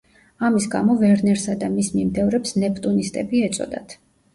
ამის გამო ვერნერსა და მის მიმდევრებს „ნეპტუნისტები“ ეწოდათ.